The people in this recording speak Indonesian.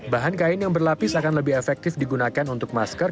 bahan kain yang berlapis akan lebih efektif digunakan untuk masker